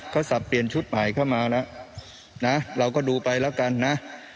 ก็สับเปลี่ยนชุดใหม่เข้ามาแล้วนะเราก็ดูไปแล้วกันนะ